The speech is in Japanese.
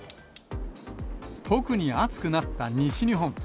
特に暑くなった西日本。